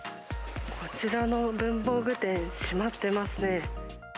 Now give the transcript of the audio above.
こちらの文房具店、閉まってますね。